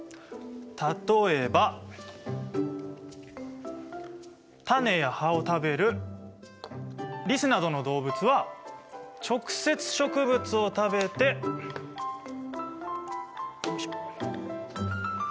例えば種や葉を食べるリスなどの動物は直接植物を食べてよいしょ。